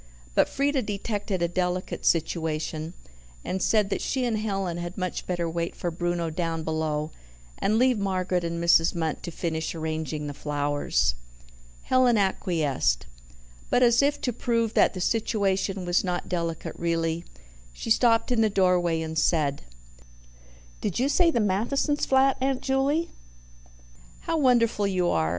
But Frieda detected a delicate situation, and said that she and Helen had much better wait for Bruno down below, and leave Margaret and Mrs. Munt to finish arranging the flowers. Helen acquiesced. But, as if to prove that the situation was not delicate really, she stopped in the doorway and said: "Did you say the Mathesons' flat, Aunt Juley? How wonderful you are!